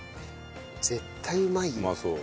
絶対うまいよ。